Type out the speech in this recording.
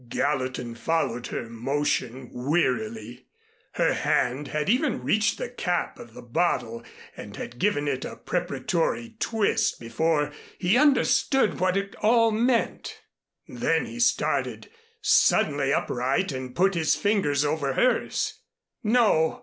Gallatin followed her motion wearily. Her hand had even reached the cap of the bottle and had given it a preparatory twist before he understood what it all meant. Then he started suddenly upright and put his fingers over hers. "No!"